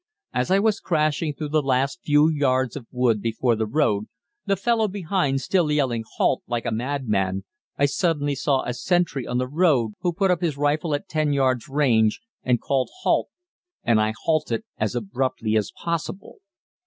As I was crashing through the last few yards of wood before the road, the fellow behind still yelling "Halt!" like a madman, I suddenly saw a sentry on the road who put up his rifle at 10 yards' range and called "Halt," and I halted as abruptly as possible.